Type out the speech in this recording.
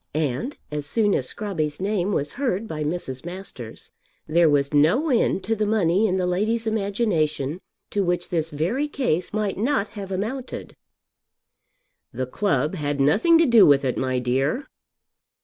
And as soon as Scrobby's name was heard by Mrs. Masters, there was no end to the money in the lady's imagination to which this very case might not have amounted. "The club had nothing to do with it, my dear."